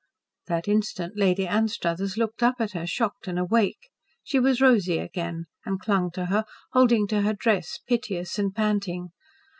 That instant Lady Anstruthers looked up at her shocked and awake. She was Rosy again, and clung to her, holding to her dress, piteous and panting.